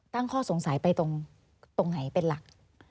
ตั้งข้อสงสัยไปตรงไหนเป็นหลัก